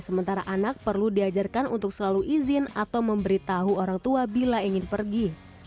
sementara anak perlu diajarkan untuk selalu izin atau memberitahu orang tua bila ingin pergi